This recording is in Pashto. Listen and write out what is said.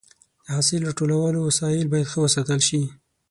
د حاصل راټولولو وسایل باید ښه وساتل شي.